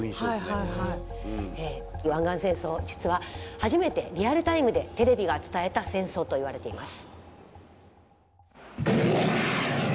湾岸戦争実は初めてリアルタイムでテレビが伝えた戦争といわれています。